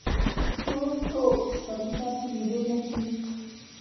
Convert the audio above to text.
څو څوک په مینه کې اېرې نه شي.